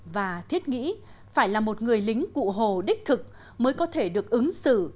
và thiết nghĩ phải là một người lính cụ hồ đích thực mới có thể được ứng xử